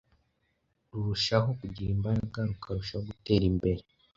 rurushaho kugira imbaraga rukarushaho gutera imbere